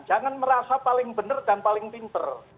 jangan merasa paling benar dan paling pinter